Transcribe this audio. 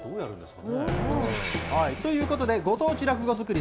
ということで、ご当地落語づくり